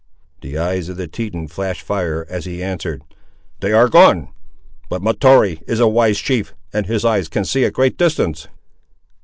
The eyes of the Teton flashed fire as he answered— "They are gone: but Mahtoree is a wise chief, and his eyes can see a great distance!"